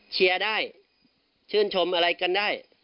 เชียร์ได้ชื่นชมอะไรกันได้